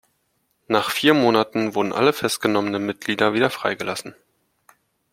Nach vier Monaten wurden alle festgenommenen Mitglieder wieder freigelassen.